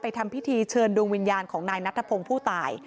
ทำพิธีเชิญดวงวิญญาณของนายนัทพงศ์ผู้ตาย